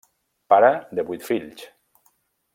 Pare de vuit fills.